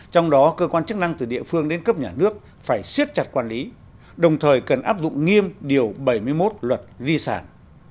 trong đó cơ quan chức năng từ địa phương đến cấp nhà nước phải siết chặt quản lý đồng thời cần áp dụng nghiêm điều bảy mươi một luật di sản